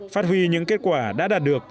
phát huy những kết quả đã đạt được